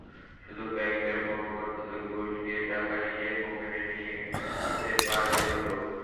শুধু ব্যাংকের কর্মকর্তাদের ঘুষ দিয়ে টাকা নিজের পকেটে নিয়ে যেতে পারলেই হলো।